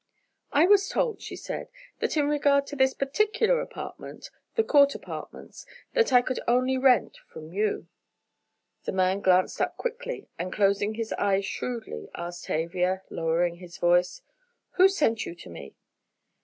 "I was told," she said, "that in regard to this particular apartment, the Court Apartments, that I could only rent from you." The man glanced up quickly, and closing his eyes shrewdly, asked Tavia, lowering his voice: "Who sent you to me?"